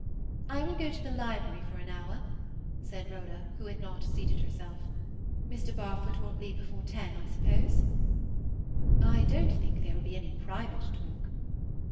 "I will go to the library for an hour," said Rhoda, who had not seated herself. "Mr. Barfoot won't leave before ten, I suppose?" "I don't think there will be any private talk."